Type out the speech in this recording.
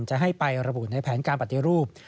จะให้ไประบุในแผนการปฏิรูป